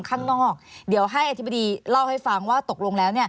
ข้างนอกเดี๋ยวให้อธิบดีเล่าให้ฟังว่าตกลงแล้ว